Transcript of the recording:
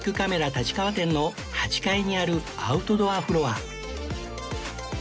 立川店の８階にあるアウトドアフロア